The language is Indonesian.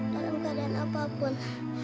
dalam keadaan apapun